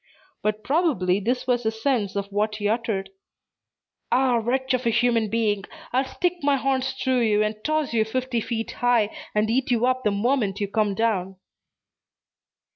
But probably this was the sense of what he uttered: "Ah, wretch of a human being! I'll stick my horns through you, and toss you fifty feet high, and eat you up the moment you come down."